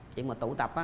chuyện mà tụ tập á